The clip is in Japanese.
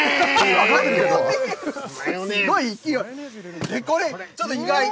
すごい勢い。